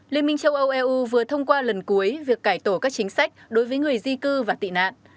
liên minh châu âu eu vừa thông qua lần cuối việc cải tổ các chính sách đối với người di cư và tị nạn